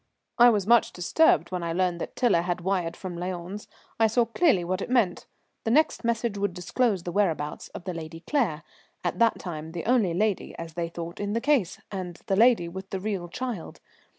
_] I was much disturbed when I learnt that Tiler had wired from Lyons. I saw clearly what it meant. The next message would disclose the whereabouts of the Lady Claire, at that time the only lady, as they thought, in the case, and the lady with the real child.